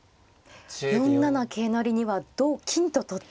４七桂成には同金と取って。